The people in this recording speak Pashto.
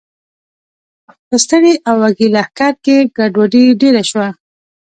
په ستړي او وږي لښکر کې ګډوډي ډېره شوه.